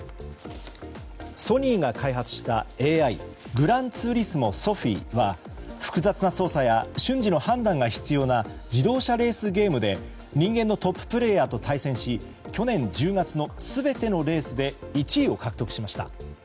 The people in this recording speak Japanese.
ソニーが開発したＡＩ「グランツーリスモ・ソフィー」は複雑な操作や瞬時の判断が必要な自動車レースゲームで人間のトッププレーヤーと対戦し去年１０月の全てのレースで１位を獲得しました。